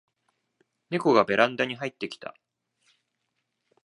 ネコがベランダに入ってきた